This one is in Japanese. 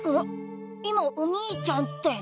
今「お兄ちゃん」って。